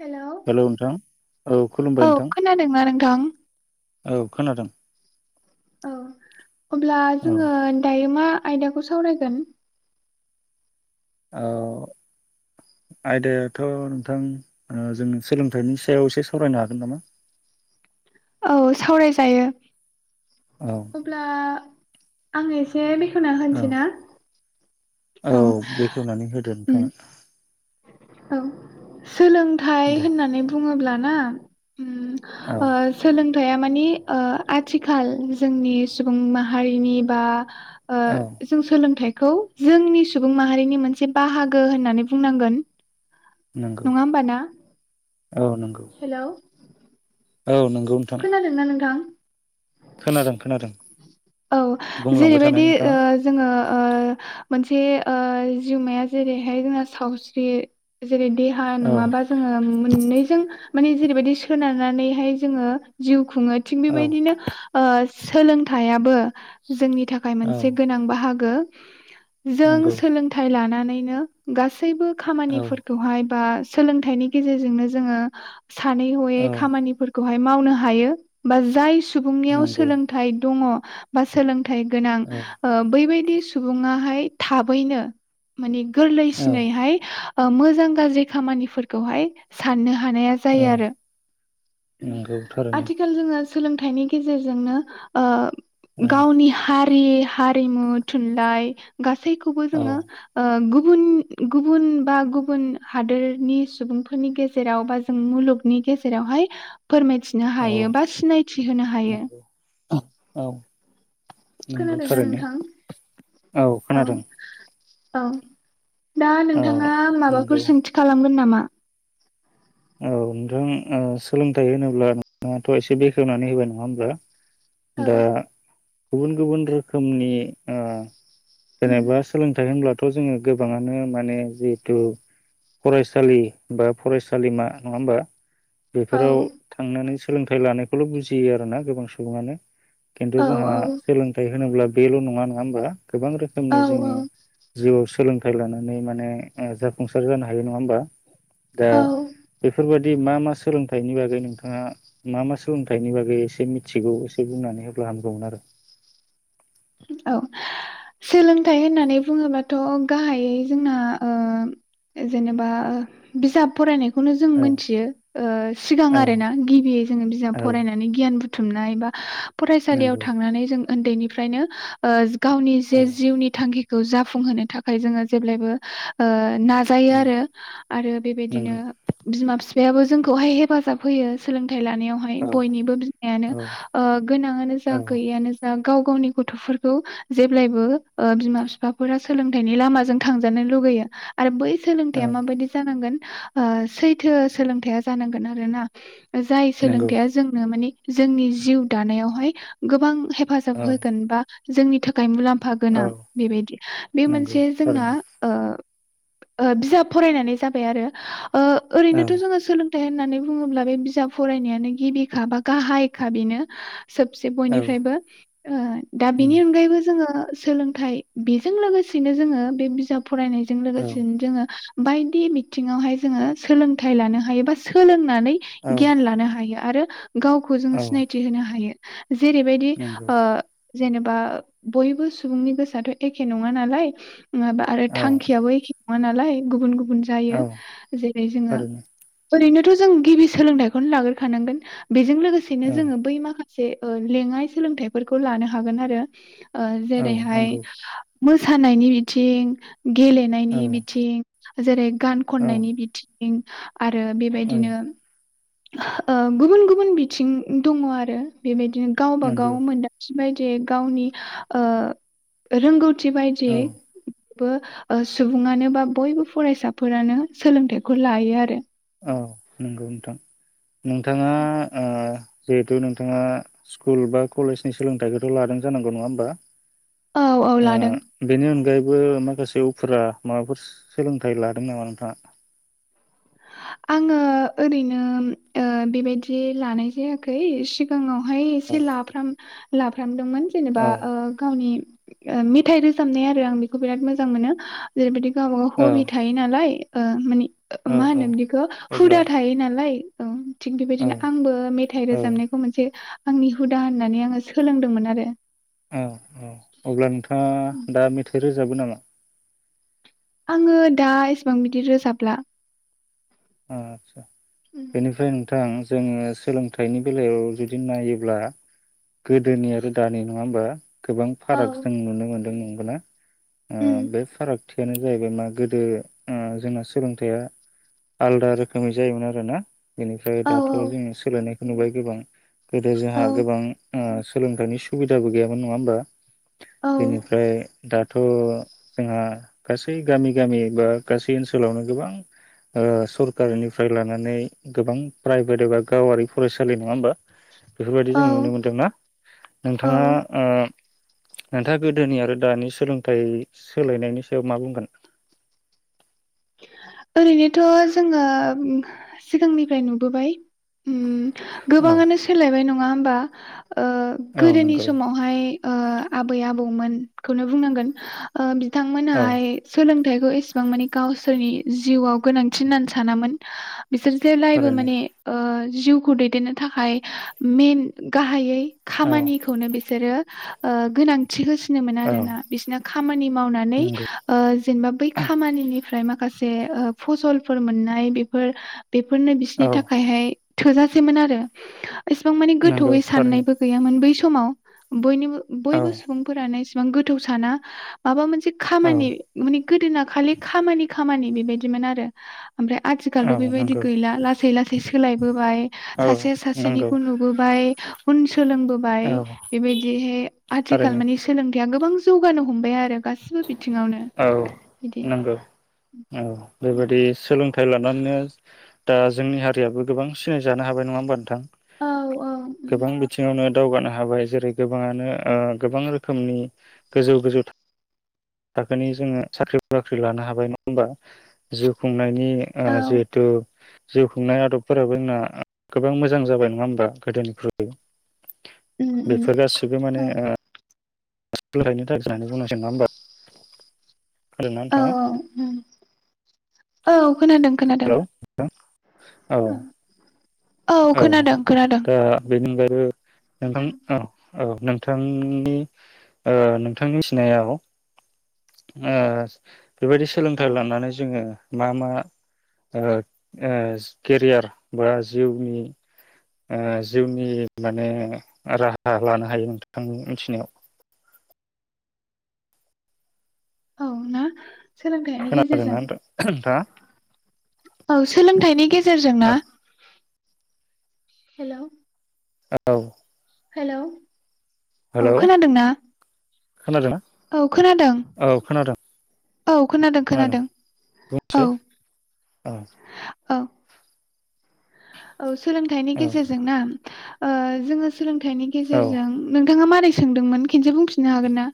Hello hello नोंथां औ खुलुमबाय नोंथां थां औ खोनादों औ अब्ला औ जोङो दायो मा आयदाखौ सावरायगोन ओ आयदायाथ' नोंथां ओ जों सोलोंथाइनि सायाव एसे सावरायनो हागोन नामा औ सावरायजायो औ अब्ला आं एसे बे खेवना औ होनसिना औ बेखेवनानै होदो नोंथाङा ओं सोलोंथाइ दे होननानै बुङोब्ला ना उम औ ओ सोलों थाइया मानि ओ आथिखाल जोंनि सुबुं माहारिनि बा ओ औ जों सोलोंथाइ खौ जोंनि सुबुं माहारिनि मोनसे बाहागो होननानै बुंनांगोन नङा होमबा ना ओ नोंगौ हेलौ खोनादोंना नोंथां खोनादों खोनादों औ बुंलांबाय थानाय जेरैबायदि ओ नोंथाङा जोङो ओ मोनसे ओ जिउमाया जेरैहाय जोंहा सावस्रि जेरै देहा औ नङाबा जोङो मोननैजों माने जेरैबायदि सोनारनानैहाय जोङो जिउ खुङो थिग औ बेबायदिनो ओ सोलोंथाइया बो जोंनि थाखाय औ मोनसे गोनां बाहा गो जों नंगौ सोलोंथाइ लाना नैनो गासैबो औ खामानिफोरखौहाय बा सोलोंथाइनि गेजेरजोंनो जोङो सानै हयै औ खामानिफोर खौहाय मावनो हायो बा जाय सुबुंनियाव नंगौ सोलोंथाइ दङ बा सोलों थाय गोनां औ ओ बैबाय दि सुबुहाय थाबैनो माने औ गोरलैसिनैहाय ओ मोजां गाज्रि खामानिफोरखौहाय साननो हानाया जायो औ आरो नंगौ थारैनो आथिखाल जोंङो सोलोंथाइनि गेजेरजोंनो ओ औ गावनि हा हारि हारिमु थुनलाइ गास गासैखौबो औ जोङो ओ गु गुबुन गुबुन बा गुबुन हादोरनि सुबुंफोरनि गेजेराव बा जों मुलुगनि गेजेरावहाय फोरमायथिनो औ हायो बा सिनायथि होनो हायो नंगौ औ नंगौ खोनादोंना थारैनो नोंथां औ खोनादों औ दा औ नोंथाङा नंगौ माबाफोर सोंथि खालामगोन नामा? औ नोंथां ओ सोलोंथाइ होनोब्ला नोंथाङाथ' एसे बेखेवनानै होबाय नङा होमबा औ दा गुबुन गुबुन रोखोमनि ओ जेनेबा सोलोंथाय होनब्ला थ जो गोबांनो माने जिथु फरायसालि बा फराय सालिमा नङा होमबा औ बेफोराव थांनानै सोलोंथाइ लानायखौल' बुजियो आरो ना गोबां सुबुंङानो खिन्थु औ जोंहा सोलोंथाइ होनोब्ला बेल' नङा नङा होनोमबा गोबां औ रोखोमनि जोङो औ जिउआव सोलों थाइ लानानै माने ओ जाफुंसार जानो हायो नङा होमबा? दा औ बेफोरबादि मा मा सोलोंथाइनि बागै नोंथाङा मा मा सोलोंथाइनि बागै एसे मिथिगौ एसे बुंनानै होब्ला हामगौमोन आरो। औ सोलोंथाइ होननानै बुङोबाथ गाहायै जोंना ओ जेनेबा ओ बिजाब फरायनाय। बेखौनो जों आरो मिथियो ओ सिगां औ आरो ना गिबियै जोङो बिजाब औ फरायनानै गियान बुथ थुमनाय एबा फरायसालियाव नंगौ थांनानै जों ओन्दैनिफ्रायनो ओ। गावनि औ जे जिउनि थांखि खौ जाफुंहोनो थाखाय जोङो जेब्लायबो ओ नाजायो उम आरो आरो बेबायदिनो नंगौ बिमा फिफ फायाबो जोंखौहाय हेफाजाब होयो सोलों थाइ लानायावहाय औ बयनिबो बिमायानो औ ओ गोनाङानो जा औ गैयियानो जा गाव गावनि गथफोरखौ जेब्लायबो ओ बिमा फिफाफोरा सोलोंथाइनि लामाजों थांजानो लुुबैयो आरो बै औ सोलोंथाइआ माबायदि जानांगोन ओ सैथो सोलोंथाइया जानांगोन आरोना‌। जाय नंगौ सोलोंथाइया जोंनो मानि जोंनि जिउ दानायावहाय गोबां हेफाजाब औ हो। जोंनि थाखाय मुलाम फा औ गोनां बेबायदि बे नंगौ मोनसे जोंना थारैनो ओ ओ बिजाब फरायनानै जाबाय आरो। ओ औ ओरैनोथ जोङो सोलों। थाय होननानै बुङोब्ला बे बिजाब फरायनायानो गिबिखा बा गाहायखा बेनो। सबसे औ बयनिफ्रायबो ओ दा उम बिनि अनगायैबो। जोङो सोलोंथाइ बेजों लोगोसेनो जोङो बे बिजाब फरायनायजों औ लोगोसेनो जोङो। बायदि बिथिङावहाय जोङो सोलोंथाइ लानो हायोबा सोलों। नानै औ गियान लानो हायो। आरो गावखौ जोङो औ सिनायथि होनो हायो। जेरैबायदि नंगौ जेनेबा बयबो सुबुंनि गोसोआथ एखे नङा नालाय माबा आरो औ थांखियाबो एखे मोलाय गुबुन गुबुन जायो औ जेरै जोङो थारैनो ओैरैनो थ' जों गिबि सोलोंथाइखौनो लाग्रोखानांगोन बेजों लोगोसेनो औ जोङो बै माखासे जे लेङाइ सोलोंथाइ फोरफोरखौ लानो हागोन आरो ओ औ जेरैहाय नंगौ मोसानायनि बिथिं गेलेनायनि औ बिथिं जेरै गान औ खननायनि बिथिं थिं आरो औ बेबायदिनो ओ गुबुन गुबुन बिथिं दङ आरो बेबायदि गावबा नंगौ गाव मोनादां बदि गावनि रोंगौथि थि औ बायदियै बौ सुबुङानो बा बयबो फरायसाफोरानो सोलोंथाइखौ लायो आरो औ नंगौ नोंथां नोंथाङा जिहेथु नोंथाङा स्कुल बा कलेजनि सोलोंथाइखौथ' लादों जानांगौ नङा होमबा औ औ लादों बो माखासे उफा माबाफोर सोलोंथाइ लादों नामा नोंथाङा आङो ओरैनो ओ बेबायदि लानाय जायाखै सिगाङाव हाय औ एसे लाफ लाफ्राम दोंमोन जेनेबा गावनि मेथाइ रोजाबनाय आरो आं बेखौ बिराद मोजां मोनो जेरैबायदि गावबागाव औ हबि थायो नालाय माने औ मा औ होनोम बिखौ अब्ला हुदा थायो नालाय औ थिग औ बेबायदिनो आंबो मेथाइ औ रोजाबनायखौ मोनसे आंनि हुदा होननानै आङो सोलोंदोंमोन आरो औ औ अब्ला नोंथाङा दा मेथाइ रोजा बो नामा? आङो दा एसेबां बिदि रोजाबला आदसा बेनिफ्राय नोंथां जोङो सोलोंथाइनि बेलायाव जुदि नायोब्ला गोदोनि आरो दानि नङा होमबा गोबां फाराग औ जों नुनो मोनो [unintelligible] नंगो ना ओ उम बे फाराग थियानो जाहैबाय मा गोदो ओ जोंना सोलोंथाइया आलदा रोखोमै जायोमोन आरो ना बेनिफ्राय औ दाथ' जोङो सोलायनाय नुबाय गोबां गोदो औ जोंहा गोबां ओ सोलोंथाइनि सुबिदाबो गैयामोन नङा होमबा औ बेनिफ्राय दा थ' जोंहा गासै गामि गामि बा गासै ओनसोलावनो गोबां ओ सरकारनिफ्राय लानानै गोबां प्राइभेट एबा गावारि फरायसालि नङा होमबा बेफोरबायदि जों औ नुनो मोनदों ना औ नोंथाङा ओ नोंथाङा गोदोनि आरो दानि सोलोंथाइ सोलायनायनि सायाव मा बुंगोन ओरैनोथ' जोङो सिगांनिफ्राय नुबोबाय उम औ गोबाङानो सोलायबाय नङा होमबा ओ औ गोदोनि नंगौ समावहाय ओ आबै आबौमोनखौनो बुंनांगोन ओ औ बिथांमोनाहाय सोंलों थाइखौ इसिबां माने गावसोरनि जिउआव गोनांथि होननानै सानामोन बिसोर जेब्लायबो थारैनो माने ओ जिउखौ दैदेननो थाखाय मेन गाहायै औ खामानिखौनो बे सोरो ओ गोनां थि होसिनोमोन औ आरोना बिसिना खामानि मावनानै नंगौ ओ जेनबा बै खामानिनि माखासे ओ फसलफोर मोननाय बेफोर बेफोरनो बिसिरनि औ थाखायहाय थोजासेमोन आरो एसेबां माने नंगौ गोथौयै थारैनो साननायबो गैयामोन बै समाव समाव बयनिबो औ बयबो सुबुंफोरा बां गोथौ साना माबा मोनसे से औ खामानि माने गोदोना खालि खामानि खामानि बेबायदिमोन आरो ओमफ्राय आथिखालथ बेबायदि नंगौ गैला लासै लासै सोलायबोबाय औ सासे नंगौ सासेनिखौ नुबोबाय उन स सोलोंबोबाय औ बेबायदिहाय आथिखाल थारैनो माने सोलों गोबां जौगानो हमबाय आरो गासिबो बिथिङावनो बिदि औ औ बेबायदि सोलोंथ थाइ लानानैनो दा जोंनि हारियाबो गोबां सिनायजानो हाबाय नङा होमबा नोंथां औ औ गोबां बिथिङावनो दावगानो हाबाय जेरै गोबाङानो ओ गोबां रोखोमनि गोजौ गोजौ थाखोनि जोङो साख्रि बाख्रि लानो हाबाय नङा होमबा जिउ खुंनाय नि ओ औ जिहेतु जिउ खुंनाय आदबफोराबो जोंना गोबां मोजां जाबाय नङा होमबा गोदोनिख्रुइ उम उम बेफोर गासैबो औ माने ओ [unintelligible] [unintelligible] [unintelligible] नानै औ थाङा औ उम औ खोनादों खोनादों औ ओं औ खोनादों खोनादों दा बेनि अनगायै बो नोंथां अ औ नोंथांनि ओ नोंथांनि मिथिनायाव ओ बेबायदि औ सोलोंथाइ लानानै जोङो मा मा ओ ओ केरियार बा जिउनि ओ जिउनि माने राहा लानो हायो नोंथांनि मिथिनायाव औ ना। सोलोंथाइनि गेजेरजों खोनादोंना नोंथाङा? औ सोलोंथाइनि गेजेरजों औ ना? हेल'। औ हेल' औ हेलौ खोनादोंना? खोनादोंना औ खोनादों औ खोनादों औ खोनादों खोनादों औ बुंसै औ औ। औ सोलोंथाइनि औ गेजेरजों ना ओ जोङो सोलोंथाइनि औ गेजेरजों नों नोंथाङा मारै सोंदोंमोन खेनसे बुंफिननो हागोन ना?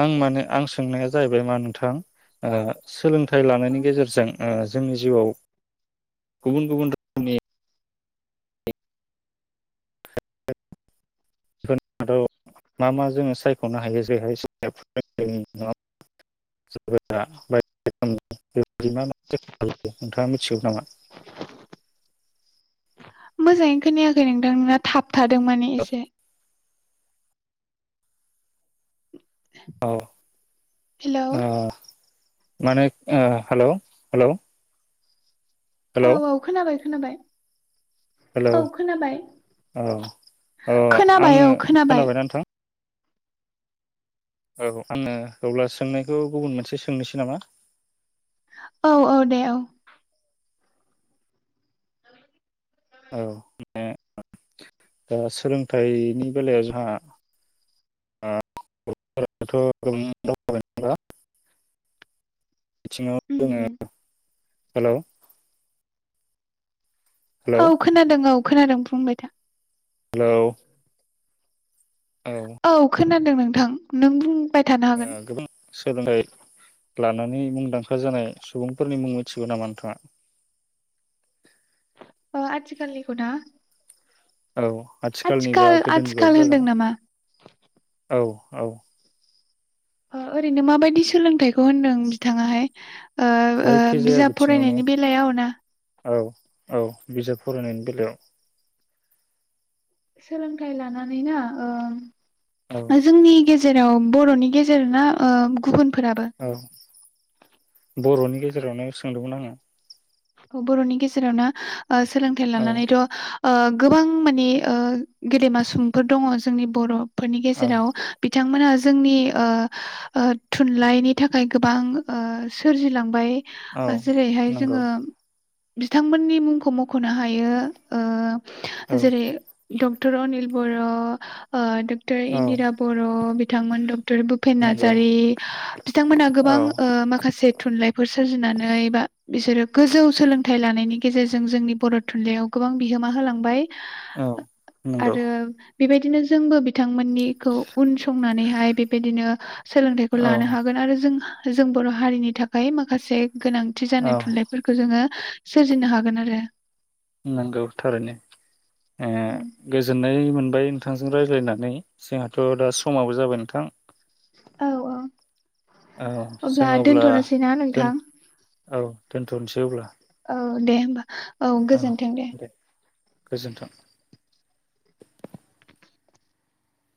आं माने आं सोंनाया जाहैबाय मा नोंथां ओ सोलोंथाइ लानायनि गेजेरजों ओ जोंनि जिउआव गुबुन गुबुन रोखोमनि फोरनि मादाव मा मा जोङो सायख'नो हायो जेरैहाय बे मा नोंथाङा मिथिगौ नामा? मोजाङैनो खोनायाखै नोंथां नोंना थाब थादों माने एसे। औ हेलौ औ। माने हेल' हेल'। औ औ खोनाबाय। खोनाबाय। हेलौ औ खोनाबाय औ अ खोनाबाय आङो औ खोनाबाय खोनाबायना नोंथां? औ आङो अब्ला सोंनायखौ गुबुन मोनसे सोंनोसै नामा? औ औ दे औ। औ बे दा सोलोंथाइनि बेलायाव जोंहा [unintelligible] मिथिङाव उम उम जोङो हेल'। औ खोनादों औ। खोनादों बुंबाय था। हेल' औ खोनादों नोंथां नों बुं। ओ गोबां सोलोंथाय लानानै मुंदांखा जानाय सुबुंफोरनि मुं मिथिगौ नामा नोंथाङा? अ आथिखालनिखौना औ आथिखालनिबा आथिखाल गोदोनिबाबो जागोन होनदों नामा औ औ ओ ओरैनो माबायदि सोलोंथाइखौ होनदों बिथांङाहाय ओ ओ जायखिजाया बिजाब बिथिङावनो फरायनायनि बेलायाव ना औ औ बिजाब फरायनायनि बेलायाव सोलोंथाइ लानानैना औ ओ जोंनि गेजे जेराव बर'नि गेजेरना ओ गुबुन औ बर'नि गे जेरावनो सोंदोंमोन आङो। बर'नि गेजेराव ना ओ सोलोंथाइ आङो लानानैथ' ओ गोबां माने ओ गेदेमा सुबुंफोर दङ जोंनि बर' फोरनि औ गेजेराव बि बिथांमोनहा जोंनि ओ ओ थुनलाइनि थाखाय गोबां ओ सोरजिलांबाय औ जेरैहाय नंगौ जोंङो बिथांमोननि मुंखौ मखनो हायो ओ औ जेरै- डक्टर अनिल बर' ओ डक्टर औ इन्दिरा बर' बिथांमोन डक्टर भुपेन नंगौ नार्जारी बिथांमोनहा औ गोबां ओ माखासे थुनलाइफोर सोरजिनानै बा बिसोरो गोजौ सोलोंथाइ लानायनि गेजेरजों जोंनि बर' थुनलाइयाव गोबां बिहोमा होलांबाय। औ नंगौ आरो बेबायदिनो जोंबो बिथां मोननिखौ उन संनानैहाय बेबायदिनो सोलोंथाइखौ औ लानो हागोन आरो जों जों बर' हारिनि थाखाय माखासे गोनांथि औ जानाय थुनलाइ ङो सोरजिनो हागोन आरो नोंगौ थारैनो ओ गोजोननाय मोन बाय नोंथांजों रायज्लायनानै जोंहाथ' दा समाबो जाबाय नोंथां। औ औ औ जों अब्ला दोनथ'नोसैना दोन नोंथां? औ दोनथनोसै अब्ला। औ दे होमबा। औ गोजोनथों दे। गोजोन्थों।